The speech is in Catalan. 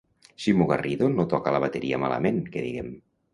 Ximo Garrido no toca la bateria malament, que diguem.